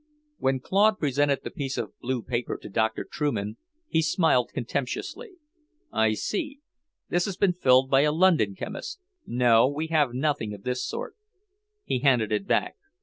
When Claude presented the piece of blue paper to Doctor Trueman, he smiled contemptuously. "I see; this has been filled by a London chemist. No, we have nothing of this sort." He handed it back.